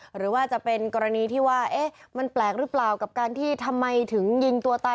หรือว่าจะเป็นกรณีที่ว่ามันแปลกหรือเปล่ากับการที่ทำไมถึงยิงตัวตาย